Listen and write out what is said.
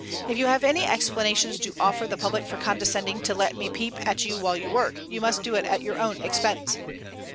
If you have any explanations to offer the public for condescending to let me peep at you while at work, you must do it at your own expense."